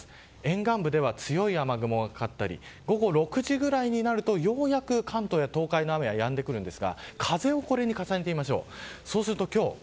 沿岸部では強い雨雲がかかったり午後６時ぐらいになるとようやく関東や東海の雨はやんでくるんですが風を重ねてみましょう。